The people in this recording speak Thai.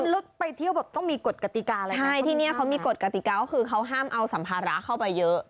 แล้วก็เห็นแบบทุกอย่างสาย